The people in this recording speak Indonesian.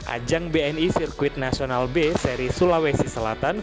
ajang bni sirkuit nasional b seri sulawesi selatan